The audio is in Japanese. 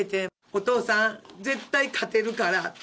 お父さん、絶対勝てるから。